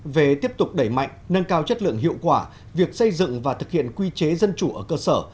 về tiếp tục đẩy mạnh nâng cao chất lượng hiệu quả việc xây dựng và thực hiện quy chế dân chủ ở cơ sở